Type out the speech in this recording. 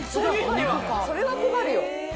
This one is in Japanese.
それは困るよ。